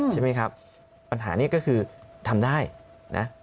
ใช่ไหมครับปัญหานี้ก็คือทำได้นะ